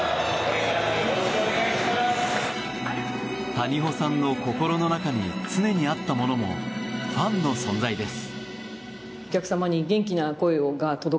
谷保さんの心の中に常にあったものもファンの存在です。